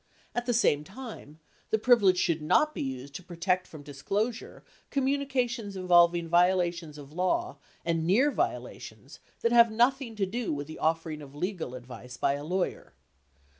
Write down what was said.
At the same time, the privilege should not be used to protect from dis closure communications involving violations of law and near viola tions that have nothing to do with the offering of legal advice by a lawyer.